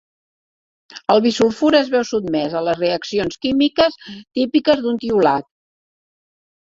El bisulfur es veu sotmès a les reaccions químiques típiques d'un tiolat.